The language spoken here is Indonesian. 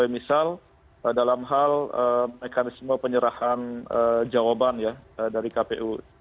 misal dalam hal mekanisme penyerahan jawaban ya dari kpu